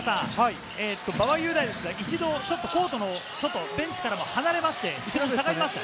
馬場雄大、一度コートの外、ベンチからも離れまして、下がりました。